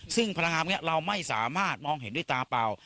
ซึ่งพลังงานพวกนี้เราไม่สามารถมองเห็นด้วยตาเปล่า